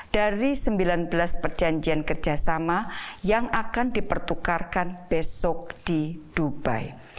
dari sembilan belas perjanjian kerjasama yang akan dipertukarkan besok di dubai